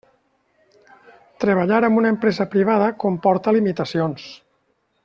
Treballar amb una empresa privada comporta limitacions.